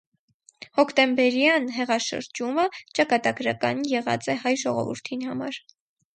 Հոկտեմբերեան յեղաշրջումը ճակատագրական եղած է հայ ժողովուրդին համար։